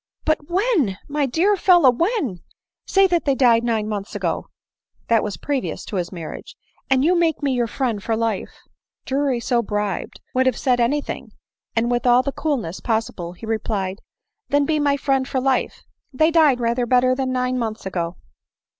" But when ? my dear fellow !— when ? Say that they died nine months ago, (that was previous to his mar riage) and you make me your friend for life !" Drury so bribed, would have said any thing • and, with ^ all the coolness possible, he replied, " Then be my friend for life ;— they died rather better than nine months ago."